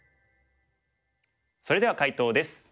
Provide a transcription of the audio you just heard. それでは解答です。